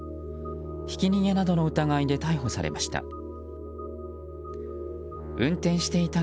ひき逃げなどの疑いで逮捕されました。